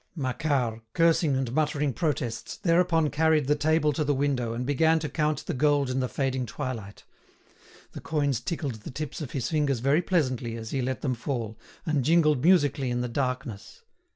Macquart, cursing and muttering protests, thereupon carried the table to the window, and began to count the gold in the fading twilight. The coins tickled the tips of his fingers very pleasantly as he let them fall, and jingled musically in the darkness.